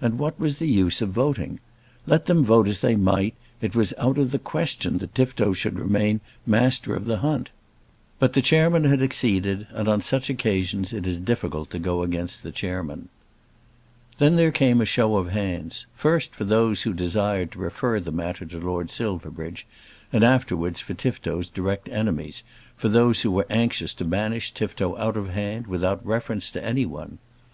And what was the use of voting? Let them vote as they might, it was out of the question that Tifto should remain Master of the hunt. But the chairman had acceded, and on such occasions it is difficult to go against the chairman. Then there came a show of hands, first for those who desired to refer the matter to Lord Silverbridge, and afterwards for Tifto's direct enemies, for those who were anxious to banish Tifto out of hand, without reference to any one.